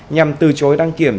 nhằm từ chối đăng kiểm